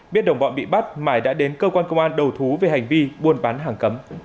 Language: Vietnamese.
biết đồng bọn bị bắt mài đã đến cơ quan công an đầu thú về hành vi buôn bán hàng cấm